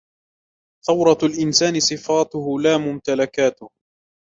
ثروة الإنسان صفاتُه لا ممتلكاتُه.